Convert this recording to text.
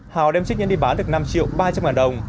hào đem chiếc nhẫn đi bán được năm triệu ba trăm linh đồng